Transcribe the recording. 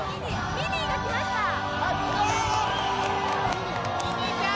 ミニーちゃん！